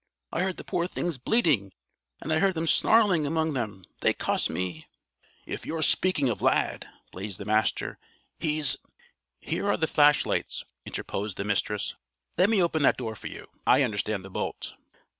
I heard the poor things bleating and I heard him snarling among them. They cost me " "If you're speaking of Lad," blazed the Master, "he's " "Here are the flashlights," interposed the Mistress. "Let me open that door for you. I understand the bolt."